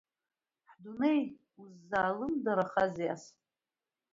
Ҳдунеи, уззалымдарахазеи ас?